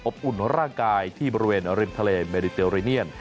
อุ่นร่างกายที่บริเวณริมทะเลเมดิเตลริเนียน